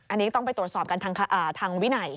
อันนี้ต้องไปตรวจสอบกันทางวินัย